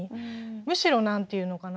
むしろ何て言うのかな。